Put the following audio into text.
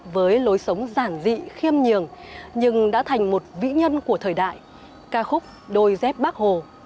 với lối sống giản dị khiêm nhường nhưng đã thành một vĩ nhân của thời đại ca khúc đôi dép bác hồ